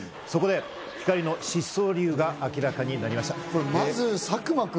そこで光莉の失踪理由が明らかになりました。